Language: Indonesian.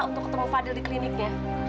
untuk ketemu fadil di kliniknya